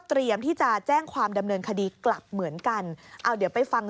ที่จะแจ้งความดำเนินคดีกลับเหมือนกันเอาเดี๋ยวไปฟัง